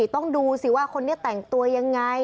ต้องดูสิว่าคนนี้แต่งตัวยังไง